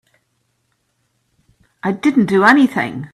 I didn't do anything.